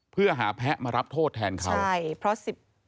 เพื่อหาแพะมารับโทษแทนเขา